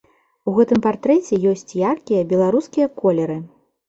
У гэтым партрэце ёсць яркія беларускія колеры.